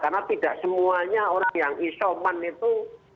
karena tidak semuanya orang yang isoman itu